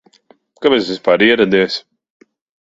Kāpēc tu vispār ieradies?